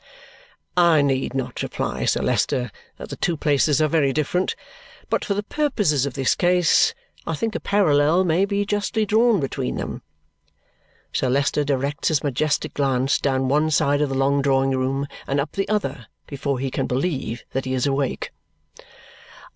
"I need not reply, Sir Leicester, that the two places are very different; but for the purposes of this case, I think a parallel may be justly drawn between them." Sir Leicester directs his majestic glance down one side of the long drawing room and up the other before he can believe that he is awake.